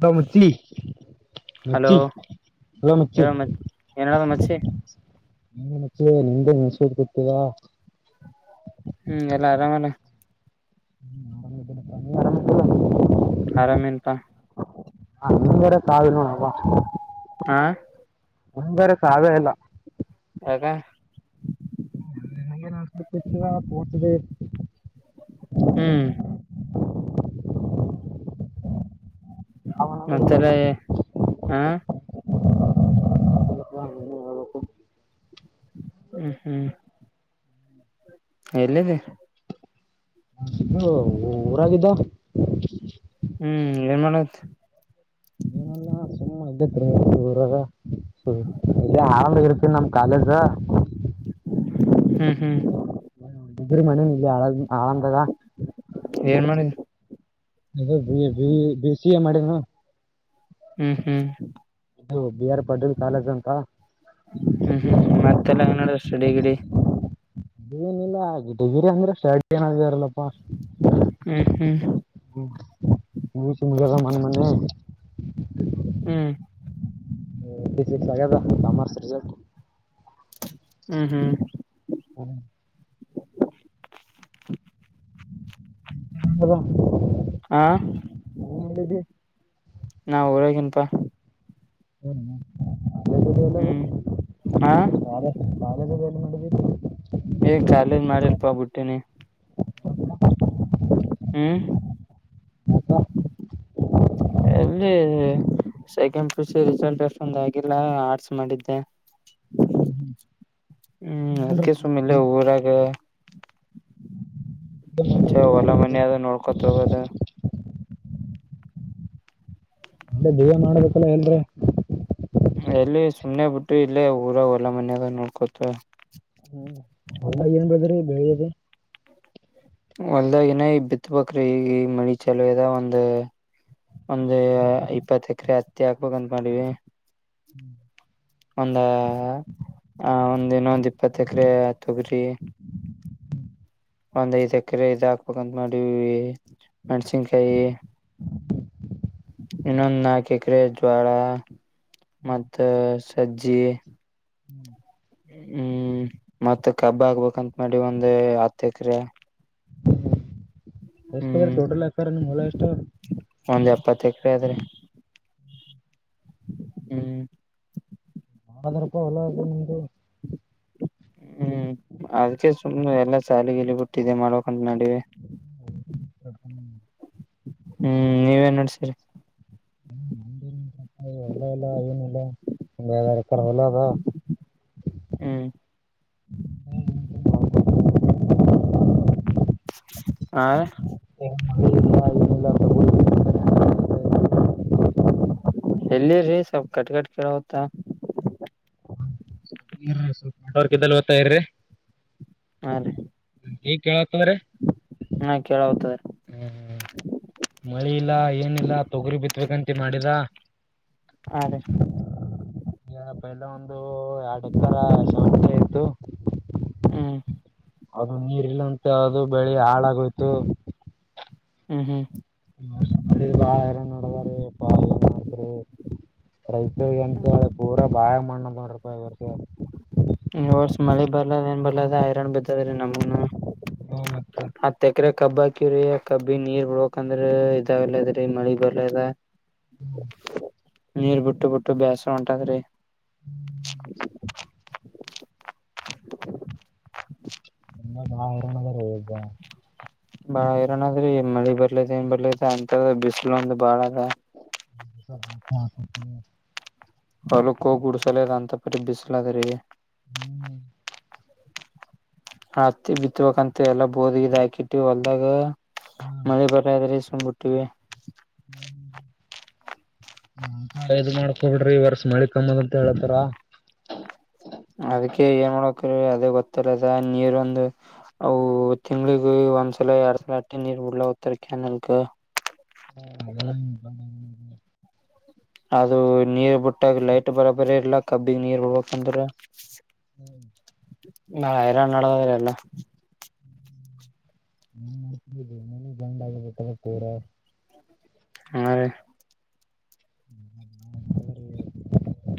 ದೊ ಮಚಿ ಹಲೋ ಮಚೀ ಹಲೋ ಮಚ್ಚಿ ಹೇಳ ಮಚ್ ಏನದ ಮಚ್ಚಿ ನೀ ನಿಮ್ದೇ [unintelligible] ಹ್ಮ್ ಎಲ್ಲಾ ಆರಾಮಲ್ಲಾ ಹ್ಮ ಆರಾಮ ನೀ ಆರಾಮ ಆರಾಮ ಎನ್ ಪಾ ಆ ಮುಂದ್ಗಡೆ ಸಾಲ [unintelligible] ಹಾ ನಿಂಗರೇ ಸಾವೆ ಇಲ್ಲಾ ಯಾಕಾ [unintelligible] ಹ್ಮ್ ಮತ್ತೆಲ್ಲ ಅವನದು ಹಾ [unintelligible] ಹ್ಮ್ ಹ್ಮ್ ಎಲ್ಲಿದ ಹ್ಮ ಊರಾಗಿದ್ದ ಹ್ಮ್ ಏನ್ ಮಾಡಕತೀ ಇಲ್ಲಿ ಆರಾಮಗರ್ತ ನಮ್ ಕಾಲೇಜ್ ಹ್ಮ್ ಹ್ಮ್ ಇ್ರರು ಮನ ಇಲ್ಲಿ ಆ ಆಳಂದಾಗ ಏನ್ ಮಾಡಿದ ಅದ ಬಿ ಸಿ ಎ ಮಾಡಿದನ ಹ್ಮ್ ಹ್ಮ್ ಇದು ಬಿ ಆರ್ ಪಾಟೀಲ್ ಕಾಲೇಜ್ ಅಂತಾ ಹ್ಮ್ ಹ್ಮ್ ಮತ್ತೆಲ್ಲ ನಡವ ಷ್ಟಡಿಗಿಡಿ ಏನಿಲ್ಲ ಗಿಟಗಿರಿ ಅಂದ್ರೆ ಶರ್ಟಿ ನಂಗೆ ಇರಂಗಿಲ್ ಹ್ಮ್ ಹ್ಮ್ [unintelligible] ಮೋನೆ ಮೋನೆ ಹ್ಮ್ [unintelligible] ಹ್ಮ್ ಹ್ಮ್ ಹ್ಮ ಹಾ [unintelligible] [unintelligible] ಹ್ಮ್ ಹಾ [unintelligible] ಕಾಲೇಜದ ಎಲ್ಲಿಟ ಏ ಕಾಲೇಜ್ ಮಾಡಿಲ್ಲ ಪ ಬುಟ್ಟೆನಿ ಹ್ಮ್ ಎಲ್ಲಿ ಸೆಕೆಂಡ್ ಪಿಯುಸಿ ರಿಸಲ್ಟ್ ಅಷ್ಟೊಂದ ಆಗಿಲ್ಲ ಆರ್ಟ್ಸ್ ಮಾಡಿದ್ದೆ ಹ್ಮ್ ಅದ್ಕ್ ಸುಮ್ಮಿಇಲ್ಲೆ ಊರಾಗ ಅ ಹೊಲ ಮನೀದ ನೋಡ್ಕೊತ ಹೋಗುದ ಅೇ ದೇಹ ಮಾಡ್ಬೇಕಲ್ಲ ಎಲ್ರ [unintelligible] ಎಲ್ಲಿ ಸುಮ್ನೆ ಬಿಟ್ಟು ಇಲ್ಲೇ ಊರಾಗ ಹೊಲ ಮನ್ಯಾಗ ನೋಡ್ಕೋತ ಹ್ಮ್ ಏನ್ ಬದ್ರಿ ಬೆದ [unintelligible] ಒಲ್ದಾಗ ಏನ ಈ ಬಿತ್ಬ್ರಿ ಈಗ ಈ ಮಣಿ ಚಲೋದ ಒಂದ ಒಂದು ಇಪ್ಪತ್ ಎಕರೆ ಹತ್ತಿ ಹಾಕ್ಬೇಕಕ್ಂತ ಮಾಡೀವಿ ಹ್ಮ್ [unintelligible] ಒಂದ ಆ ಒಂದ್ ಇನ್ನೊಂದ್ ಇಪ್ಪತ್ ಎಕರೆ ತೊಗ್ರಿ ಒಂದ್ ಐದ್ ಎಕರೆ ಇದ್ ಹಾಕ್ಬೇಕಂತ ಮಾಡೀ ಮೆಣ್ಸಿನ್ಕಾಯಿ ಇನ್ನೊಂದ ನಾಕಿಕರೆ ಜ್ವಾಳ ಮತ್ತ ಸಜ್ಜಿ ಹ್ಮ್ [unintelligible] ಹ್ಮ್ ಮತ್ತ ಕಬ್ಬ ಆಗ್ಬೇಕಂತ ಮಾಡಿ ಒಂದ ಹತ್ತ ಎಕ್ರ ಎಷ್ಟ ಅದ್ರ ಹ್ಮ್ ಟೋಟಲ್ ಹಾಕಾರ ನಿಮ್ ಹೊಲ ಎಷ್ಟ ಒಂದ್ ಎಪ್ಪತ್ತ ಎಕರೆ ಆದ್ರೆ ಹ್ಮ್ ಬದರಪ್ಪ ಹೊಲ ಅದ ನಿಂದು [unintelligible] ಹ್ಮ್ ಅದಕ ಸುಮ್ನೆ ಎಲ್ಲಾ ಸಾಲಿಗಿಲಿ ಬಿಟ್ಟ ಇದೆ ಮಾಡಬೇಕ ಅಂತ ಮಾಡಿವಿ ಹ ಹ್ಮ್ ನೀವೇನ್ ನಡೆಸಿರಿ ಹೊಲ ಇಲ್ಲಾ ಏನ ಇಲ್ಲಾ ಒಂದೆರಡ ಎಕರೆ ಹೊಲ ಅದ ಹ್ಮ್ ಹಾ [inaudible] [unintelligible] ಎಲ್ಲಿ ರಿ ಸ್ವಲ್ಪ ಕಟ್ ಕಟ್ ಕೇಳವತ್ತ ಸ್ವಲ್ಪ ನೆಟ್ವರ್ಕ್ ಇದಲ್ಲಿ [unintelligible] ಹೋಗ್ತಾ ಇರಿ ಹಾರಿ ಈಗ ಕೇಳವಾತ ತುಗೋರಿ ಹಾ ಕೇಳವತ್ತದ ಹ್ಮ್ ಮಳಿ ಇಲ್ಲ ಏನಿಲ್ಲ ತೊಗರಿ ಬಿತ್ಬೇಕಂತ ಮಾಡಿದ ಹಾ ರೀ ಈಗ ಪಹಲ ಒಂದು ಎರಡುಕ್ಕರ ಶಾವಂತಿಗೇ ಇತ್ತು ಹ್ಮ್ ಅದು ನೀರ ಇಲ್ಲ ಅಂತ ಅದು ಬೆಳಿ ಹಾಳಾಗೋಯ್ತು ಹೂ ಹೂ [unintelligible] ರೈತ ಎಂತ ಪೂರಾ ಬಾಯಾಗ ಮಣ್ಣ ಮಾಡಿರಪ ಈ ವರ್ಷ ಈ ವರ್ಷ ಮಳೆ ಬರ್ಲದ ಏನ್ ಬರ್ಲದ ಐರನ್ ಬಿದ್ದದೀ ನಮಗನು ಹತ್ತ [unintelligible] ಹತ್ತ ಎಕರೆ ಕಬ್ಬ ಹಾಕ್ಯಿವ್ರೀ ಆ ಕಬ್ಬಿ ನೀರ್ ಬಿಡಬೇಕ ಅಂದ್ರ ಇದಾವಲ್ಲದ್ರೀ ಮಳಿ ಬರ್ಲದ ನೀರ್ ಬಿಟ್ಟು ಬಿಟ್ಟು ಬೇಸರ ಹೊಂಟದರಿ [unintelligible] ಇನ್ನ ಬಾಳ ಹೈರಾಣ ಆದರಿ ಈಗ [unintelligible] ಬಾಳ ಹೈರಾಣ ಆದರಿ ಮಳಿ ಬರ್ಲೈತೆ ಏನ್ ಬರ್ಲತೆ ಅಂತ ಬಿಸಿಲು ಒಂದು ಬಾಳ ಅದ [unintelligible] ಹೊಲಕ್ಕ ಹೋಗಿ ಉಡ್ಸಲದ [unintelligible] ಅಂತ ಪರಿ ಬಿಸಲ ಆದ ರಿ ಹ್ಮ್ ಹ್ಮ ಹತ್ತಿ ಬಿತ್ಬೇಕಕಂತ ಎಲ್ಲಾ ಬೋದಗಿದ್ ಹಾಕಿಟ್ಟು ಹೊಲ್ದಾಗ ಹಾ ಮಳೆ ಬರ್ರೆ ಅದರಿ ಸುಮ್ಮ ಬಿಟ್ಟಿವಿ [unintelligible] ಇದು ಮಾಡ್ಕೊ ಬಿಡ್ರಿ ಈ ವರ್ಷ ಮಳಿ ಕಮ್ಮದ ಅಂತ ಹೇಳಾತಾರ ಅದಕ್ಕೆ ಏನ್ ಮಾಡಕ್ರೀ ಅದೇ ಗೊತ್ತಿಲ್ಲದ ನೀರ ಒಂದ ಅವು ತಿಂಗಳಿಗ ಒಂದ್ಸಲ ಯಾಡ ಸಲ ಅಟ ನೀರ ಬಿಡಲಾಕತ್ತೇವ ರಿ ಕಿನಾಲಕ ಹ ಅದು ನೀರ ಬಿಟ್ಟಾಗ ಲೈಟ್ ಬರಬರಿ ಇಲ್ಲ ಕಬ್ಬಿಗ ನೀರ ಬಿಡ್ಬೇಕಕ್ಂದ್ರ ಹ್ಮ ಬಾಳ ಹೈರಾಣ ನಾಡದಾದ ಎಲ್ಲಾ [inaudible] ಹಾ ರೀ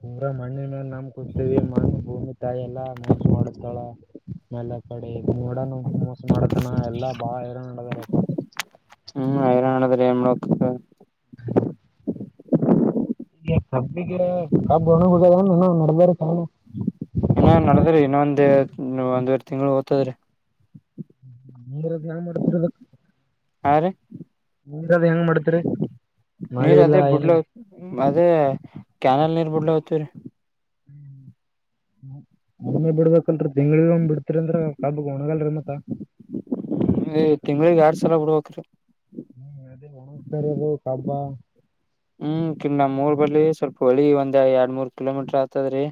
ಪುರಾ ಮಣ್ಣಿನ ಮೇಲೆ ನಮ್ಮ ಕೂತವಿ ಮಣ ಭೂಮಿ ತಾಯಿ ಎಲ್ಲ ಮೋಸ ಮಾಡತಾಳ ಮಾಲ ಕಡ ನೋಡೋಣ ಮೋಸ ಮಾಡತನ ಎಲ್ಲಾ ಬಾ ಹೈರಾಣ ನಡದಾರಪ್ಪ ಹ್ಮ್ ಹೈರಾಣ ನಡದರ ಏನ ಮಾಡಬೇಕ ಹೇಳ ಈ ಕಬ್ಬಿಗೆ ಕಬ್ಬ ಒಣುದ ಇನ್ನ ನಡಬರಕ ಇನ್ನ ನಡದ್ರಿ ಇನ್ನೊಂದ ಒಂದುವರಿ ತಿಂಗಳ ಹೋಗ್ತದ್ರಿ ನೀರಿಂದ ಹೆಂಗ ಮಾಡ್ತರಿ ಅದಕ ಹಾ ರೀ ನೀರದ ಹೆಂಗ್ ಮಾಡತರಿ ಮಳಿ ಇಲ್ಲ ಏನ ಇ.. ಮದೇ ಕ್ಯಾನಲ್ ನೀರ್ ಬಿಡ್ಲ ಹೊತವ ರೀ ಹ್ಮ ಒಮ್ಮೆ ಬಿಡ್ಬೇಕಲ್ರರಿ ತಿಂಗಳಿಗ ಒಮ್ಮ್ ಬಿಡ್ತರಿ ಅಂದ್ರ ಕಾಬ ಒಣಗಲ್ ರ ಮತಾ ತಿಂಗಳಿಗ್ ಎರಡ್ ಸಲ ಬಿಡ್ವಕ ಹ್ಮ್ ಅದ ಒತರ ಅದು ಕಬ್ಬ ಹ್ಮ್ ಕಿನ್ನ ನಮ್ಮ್ ಮೂರ್ ಬರ್ ಸ್ವಲ್ಪ ಹೊಳಿ ಒಂದ್ ಎರಡ್ ಮೂರ್ ಕಿಲೋಮೀಟರ್ ಆತದ್ರೀ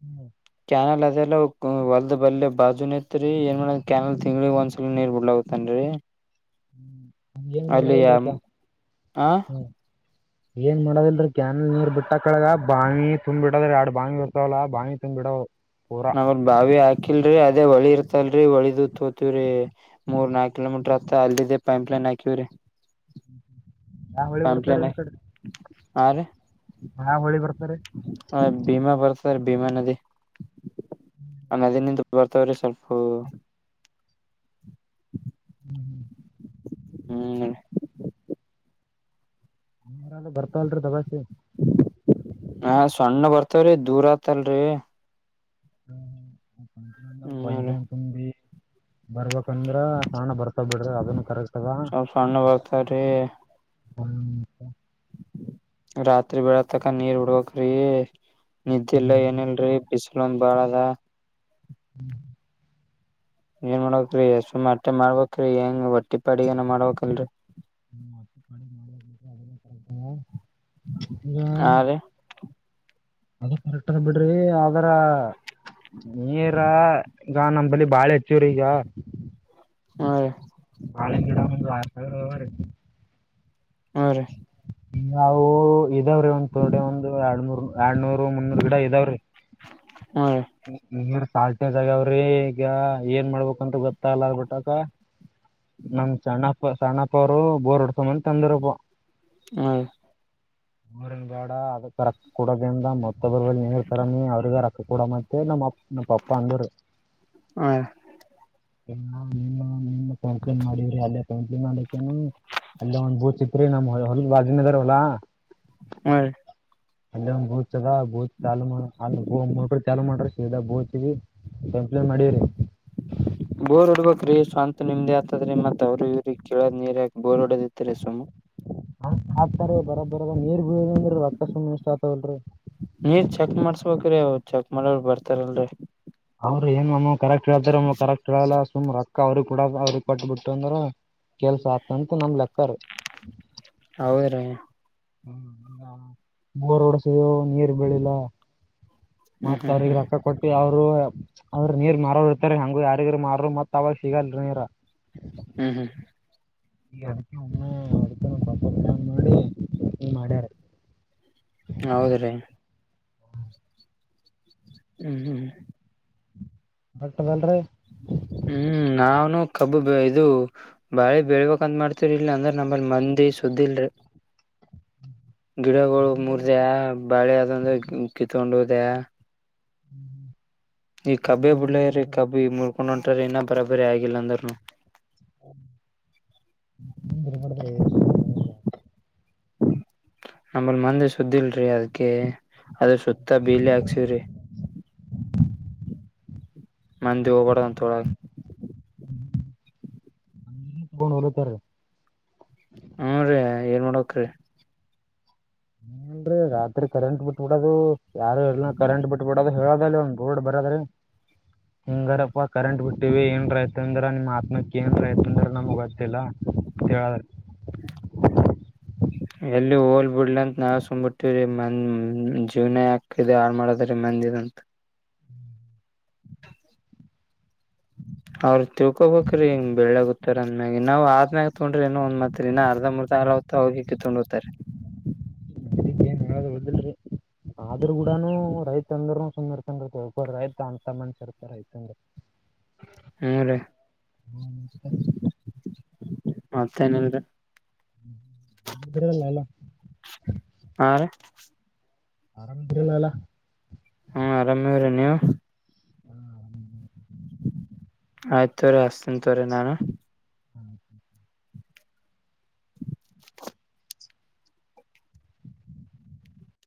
ಹ್ಮ್ ಕ್ಯಾನಲ್ ಅದೆಲ್ಲ ಹೊಲ್ದ ಬಲ್ೇ ಬಾಜುನ ಇತ್ರಿ ಏನ್ ಮಾಡ ಕ್ಯಾನಲ್ ತಿಂಗಗಳಳಗ್ ಒಂದ್ಸಲ ನೀರ್ ಬಿಡ್ಲಾಗತ್ತನ್ರಿ. ಹ ಹ್ಮ್ ನೇಏನ್ ಮಾಡೋದಲ್ರಿಕ್ಕ ಆ ಹ್ಮ್ ಏನ್ ಮಾಡೋದಲ್ರರಿ ಕ್ಯಾನಲ್ ನೀರ್ ಬಿಟ್ಟ ಕಳಗ ಬಾಣಿ ತುಂಬ್ ಬಿಡ್ರ ಎರಡ್ ಬಾಣಿ ಬಿರ್ತಾವಲ್ಲ ಬಾಣಿ ತುಂಬ್ ಬಿಡ. ನಾವ್ರ ಬಾವಿ ಹಾಕಿಲ್ರಿ ಅದೇ ಹೊಳಿ ಇರ್ತ ಲ್ರರಿ ಒಳಿದತ್ೋತವ್ರರಿ ಮೂರ್ ನಾಕಕ್ ಕಿಲೋಮೀಟರ್ ಆಗ್ತ ಅಲ್ಲದೆೇ ಪೈಂಪ್ ಲೈನ್ ಹಾಕಿವವ್ರಿ. ಹ್ಮ್ ಯಾವ ಹಳಿ ಬರ್ತಾರೆ ಒ ಕಡೆ ಹಾ ರೀ ಯಾ ಹಳಿ ಬರ್ತಾರೆ ಭೀಮಾ ಬರ್ತದೆ ಭೀಮಾ ನದಿ ನದಿ ನಿ ಬರ್ತವ್ರಿ ಸ್ವಲ್ಪ ಹ್ಮ್ ಹ್ಮ್ ಹ್ಮ್ ನೀಾರ ಬರ್ತಲ್ರರಿ ದಬಾಾಸೆ ಹ ಸಣ್ಣ ಬರ್ತವ್ರಿ ದೂರ ಆತಲ್ರಿ ಹ್ಮ್ ಭಯಂತ ರೀ ಬರಬೇಕ ಂದ್ರ ಸಣ ಬರ್ತಾ ಬಿಡ್ರಿ ಅದನ್ನು ಕರೆಕ್ಟ್ಗ ಸ್ವಲ್ಪ ಸಣ್ಣ ಬರ್ತವ್ರಿ ಹ್ಮ ರಾತ್ರಿ ಬೆಳ ತಕ ನೀರ್ ಉಡ್ಬಕ್್ರೀ ನಿದ್ದೆಲ್ಲ ಏನಲ್ರರಿ ಬಿಸ್ ಮಲೊಂದ ಬಾಳ ಅದ ಹ್ಮ್ ಏನ್ ಮಾಡ್ಬೇಕ್ರೀ ಎಷ್ಟು ಮಟ್ಟೆ ಮಾಡ್ಬೇಕ್ರೀ ಹೆಂಗ ಒಟ್ಟಿ ಪಾಡಿಗೆಏನ ಮಾಡ್ಬೇಕಲ್ರರಿ ಹ್ಮತ್ತ ಅತ ಆ ರೀ ಹ ಅದ ಕರೆಕ್ಟ್ಗ ಬಿಡ್ರಿ ಅದರ ನೀರ ಈಗ ನಂಬಂಬಳ ಬಾಳ ಹೆಚ್ಚುವರಿ ಈಗ ಹಾ ರ ನಾಳೆ ಗಿಡ ಒಂದು್ ವಾರ ಸಾವಿರರ ಹ್ಮ್ ರೀ ನಾವು ಇದಾವ್ರೀ ಒಂದ ತೋಡಿ ಒಂದು ಎರಡ್ನೂರ್ ಎರಡ್ನೂರ್ ಮುನ್ನೂರು ಗಿಡ ಎಾವ್ರೀ ಹ್ಮ ರೀ ಹ್ಮ ನೀರ್ ಸಾಾಳ್ತನ ಜಗಾವ್ರಿ ಈಗ ಏನ್ ಮಾಡ್ಬೇಕಂತ ಗೊತ್ತಾಗಲ್ಲ ಆಗ್ಬಿಟ್ಟಕ್ಕ [unintelligible] ನಮ ಸಣ್ಣಪ್ಪ ಸಣಪ್ಪ ಅವರು ಬೋರ್ ಹೊಡ್ಸಮ್ಮಂತ ಅಂದ್ರಪ್ಪ ಹ ಅವ್ರ ಬೇಡ ಅದಕ್ ರೊಕ್ಕ ಕೊಡೋದಿಂದ ಮತ್ತ ಬ ನೀರ್ತರನಿ ಅವ್ರಿಗೆ ರೊಕ್ಕ ಕಡ ಮತ್ತ ಸರಿ ನಮ್ಮ ನಮ್ಮ ಪಪ್ಪಾ ಅಂಗೂರು ಹಾ ಇ ನೀನು ನೀನು ಕಂ ಮಾಡಿವವ್ರಿ ಅಲ್ಲೇ ಕತ್ಲಿ ಮಾಡ್ಕೇನು [inaudible] ಅಲ್ಲ ಒಂದ್ ಬೂ ಚಿತ್ರಿ ನಮ್ ಹೊ ವಾಜಿನಗರ್ ಹೊಲಾ ಹ್ಮ್ ರೀ ಅಲ್ಲಿ ಒಂದ್ ಬೂತ್ದ ಬೂತ್ ಚಾ ಅ ಮೂ ಕ ಚಾಲು ಮಾಡ್ರಿ ಶಡ ಬೂತ್ವಿ [unintelligible] ಕಂಪ್ಲೇನ್ಟ್ ಮಾಡಿರಿ [inaudible] ಬೋರ್ ಹೊಡ್ಬೇ್ರೀ ಸ್ವಂತ ನಿಮ್ದೇ ಆತದ್ರೀ ಮತ್ ಅವ್ರರು ಇವ್ರಿಗೆ ಕೇಳದ್ ನೀರ್ ಹಾಕ ಬೋರ್ ಹೊಡದಿತ್ರಿ ಸುಮ ಹ ಹ [inaudible] ಬರ ಬರ ನೀರ್ ಬೀಳದಿದ್ರೆ ರಕ್ತ ಸುಮ್ನೆ ವೆಸ್ಟ್ ಆಗ್ತವಲ್ರಿ ನೀರ್ ಚೆಕ್ ಮಾಡ್ಸ್ಬೇಕ್ರಿ ಅವ್ ಚೆಕ್ ಮಾಡೋರು ಬರ್ತಾರಲ್ರರಿ ಅವ್ರು ಹೊಮ್ಮೆ ಕರೆಕ್ಟ್ ಹೇಳ್ತಾರಾ ಕರೆಕ್ಟ್ ಹೇಳಲ್ಲ ಸುಮ್ ರಕ್ಕ ಅವ್ರಗ್ ಕೂಡ ಅವ್ರಿಗೆ ಕೊಟ್ಟಬಿಟ್ಟು ಅಂದ್ರ ಕೆಲ್ಸ ಆತಂತ ನಮ್ ಲೆಕ್ಕರು ಹೌದ್ರೀ ಹ್ಮ ಬೋರ್ ಹೂಡಸವು ನೀರ್ ಬಿಳಿಲ್ಲ ಹ್ಮ್ ಮತ್ತ ಹ್ಮ್ ಅವ್ರಿಗೆ ರೊಕ್ಕ ಕೊಟ್ಟಿ ಅವ್ರ ಅವರು ಅವರು ನೀರ್ ಮಾರೋರು ಇರ್ತಾರೆ ಹಂಗ ಯಾರಿಗರು ಮಾರರು ಮತ್ ಅವಾಗ ಸಿಗಲ್ ನೀರ ಹ್ಮ್ ಹ್ಮ್ ಈ ಅಡಮ್ಮ ಅಡ ಪ ಮಾಡಡಿ ಮಾಡ್ಯಾರೆ [inaudible] ಹೌದ್ರೀ ಹ್ಮ್ ಹ್ಮ್ ಹ್ಮ ಬಟ್ಟ ಮಲ್ ರ [unintelligible] ಹ [inaudible] ಹ್ಮ್ ನಾವನು ಕಬ್ಬು ಇದು ಬಾಳೆ ಬೆಳ್ಬೇಕಕ್ಂತ ಮಾಡ್ತರಿ ಇಲ್ಲ ಅಂದ್ರೆ ನಮ್ಮಲ್ಲಿ ಮಂದಿ ಶುದಿ ಇಲ್ರಿ ಗಿಡಗಳು ಮಂದಿಲ್ಲ ಮುರಿದೆ ಬಾಳೆ ಅದಂದ ಕಿತ್ಕೊಂಡೋದೆ ಹ್ಮ್್ಮ [unintelligible] ಈ ಕಬೇ ಬುಳ್ಳೆಯ್ರ ಕಬ್ ಈಳ್ಕೊಂಡು ಹೊಂಟರ ನ ಬರ ರ ಆಗಿಲ್ಲ ಅಂದನು ಮಂದಿರ್ಬಾರ್ದ್ರಿ [unintelligible] [inaudible] ನಮ್ಮಲ್ ಮಂದಿ ಸ್ದಿಲ್ರಿ ಅದಕ್ಕೆ ಅದ್ರ ಸುತ್ತ ಬೇಲಿ ಹಾಕ್ಸವ್ರಿ ಮಂದಿ ಹೋಗಬೋರಧು ಅಂತ ಹೊಲಗೆ ಬಲತರ [inaudible] ಹ್ಮ ರೀ ಏನ್ ಮಾಡಕ್ರಿ ಹಲ್ರಿ ರಾತ್ರಿ ಕರೆಂಟ್ ಬಿಟ್ಬಿಡೋದು ಯಾರು ಇಲ್ಲ ಕರೆಂಟ್ ಬಿಟ್ಬಿಡೋದು ಹೇಳದ ಗೋಡ್ ಬರದ್ರೀ ಹಿಂಗಾರಪ್ಪ ಕರೆಂಟ್ ಬಿಟ್ಟಿವ ಏನ್ ರೈತ ಅಂದ್ರ ನಿಮ್ಮ ಆತ್ಮಕ್ಕ ಏನ್ ರೈತ ಅಂದ್ರ ನಮ್ ಗೊತ್ತಿಲ್ಲ ಕಾದ [inaudible] [inaudible] ಎಲ್ಲಿ ಹೋಲ್ ಬಿಡ್ಲ ಅಂತ ನಾವ್ ಸುಂಬ್ ಬಿಿಟ್ಟವ್ರೀ ಮಂದ ಜೀವ್ನೇ ಹಾಕ್ದ ಹಾಲಮಾಡದೀ ಹಂದಿರಂತ ಅವ್ರ ತಿಳ್ಕೊಬೇಕ್ರೀ ಬೆಳ್ಳಗುತ್ತ ಅಂದ್ಮ್ಯಾಗ ನಾವು ಆದ್ಮ್ಯಾಗ ತೊೊಂಡ್ರ ಏೋ ಒಂದ್ ಮಾತ್ರಿ ಇನ್ನು ಅರ್ಧ ಮುರ್ದ ಅ ಹೊ ಹೋಗಿಕ್ಕೆ ತೊಂಡ ಹತಾರೆ [unintelligible] ಅಕ್ಕೇನ್ ನೋ್ರ ದಲ್ರರಿ [inaudible] ಆದ್ರೂ ಕೂಡನುೂ ರೈತ ಅಂದ್ರನು ಸುಂದ ಇರ್ತೊಂಡಿರ್ತ ರೈತ ಅಂತ ಮನ್ಸ ಇರ್ತ ರೈತ ಅಂದ್ರ [inaudible] ಹ್ಮ ರೀ ಮತ್ತೇನಲ್ ರಲ್ಲಲ್ಲ [inaudible] ಆರಾಮ ತಿಳ್ಳ ಅಲ್ಲ ಹ್ಮ ಆರಾಮೇವ್ರೀ ನೀವು ಹಾ ಆಯ್ತ್ರ ಅಷ್ಟತ ತವ್ರ ನಾನು ಹ್ಮ [inaudible]